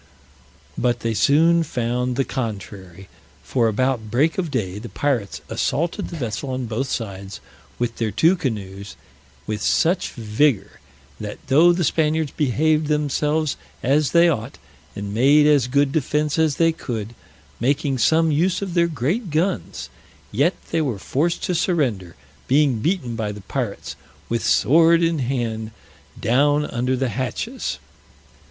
But they soon found the contrary, for about break of day the pirates assaulted the vessel on both sides, with their two canoes, with such vigor, that though the Spaniards behaved themselves as they ought, and made as good defense as they could, making some use of their great guns, yet they were forced to surrender, being beaten by the pirates, with sword in hand, down under the hatches.